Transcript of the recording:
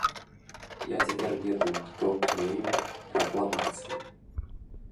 Я цяпер ведаю, хто клеіў пракламацыі!